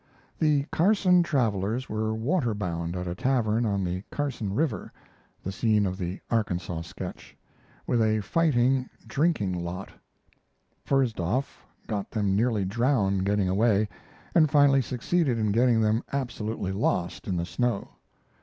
The Carson travelers were water bound at a tavern on the Carson River (the scene of the "Arkansas" sketch), with a fighting, drinking lot. Pfersdoff got them nearly drowned getting away, and finally succeeded in getting them absolutely lost in the snow.